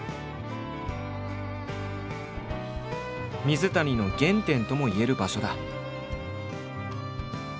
水谷の原点ともいえる場所だ。